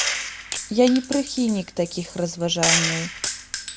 Я не прыхільнік такіх разважанняў.